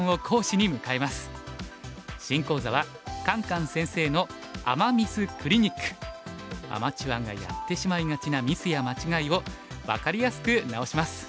新講座はアマチュアがやってしまいがちなミスや間違いを分かりやすく直します。